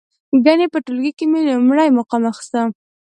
ګنې په ټولګي کې مې لومړی مقام اخسته.